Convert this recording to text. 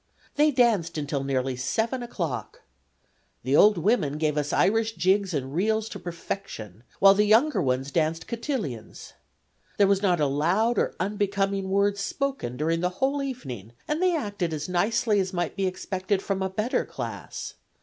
They danced until nearly 7 o'clock. The old women gave us Irish jigs and reels to perfection, while the younger ones danced cotillions. There was not a loud or unbecoming word spoken during the whole evening, and they acted as nicely as might be expected from a better class.